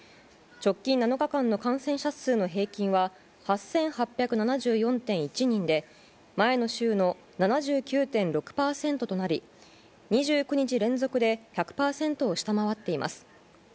直近７日間の感染者数の平均は８８７４．１人で前の週の７９．６％となり２９日連続で１００％を下回っています。